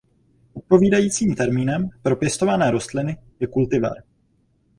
Odpovídajícím termínem pro pěstované rostliny je kultivar.